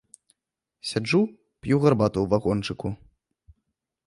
Сяджу, п'ю гарбату ў вагончыку.